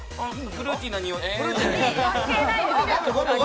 フルーティーな匂い。